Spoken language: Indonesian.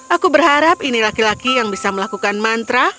aku berharap ini laki laki yang bisa melakukan mantra